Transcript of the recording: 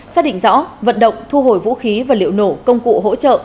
xác định rõ vận động thu hồi vũ khí và liệu nổ công cụ hỗ trợ